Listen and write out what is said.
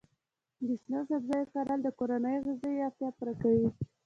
د شنو سبزیو کرل د کورنۍ غذایي اړتیا پوره کوي.